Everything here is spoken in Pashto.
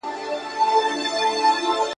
اوس به ضرور د قربانۍ د چړې سیوری وینو `